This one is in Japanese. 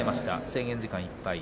制限時間いっぱい。